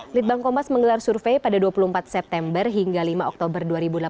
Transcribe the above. litbang kompas menggelar survei pada dua puluh empat september hingga lima oktober dua ribu delapan belas